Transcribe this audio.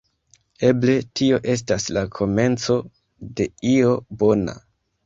Eble tio estas la komenco de io bona.